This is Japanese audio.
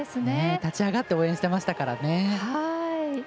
立ち上がって応援してましたからね。